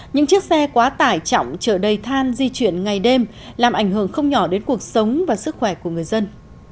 những chiếc xe quá tải trọng chở đầy than di chuyển ngày đêm làm ảnh hưởng không nhỏ đến cuộc sống và sức khỏe của người dân